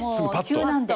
急なんで。